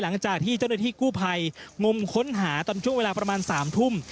หลังจากที่เจ้าหน้าที่กู้ภัยงมค้นหาตอนช่วงเวลาประมาณ๓ทุ่ม